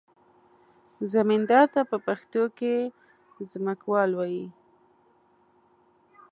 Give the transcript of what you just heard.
زمیندار ته په پښتو کې ځمکوال وایي.